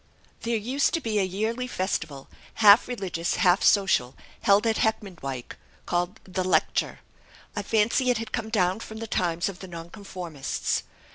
"There used to be a yearly festival, half religious, half social, held at Heckmondwike, called 'The Lecture.' I fancy it had come down from the times of the Nonconformists.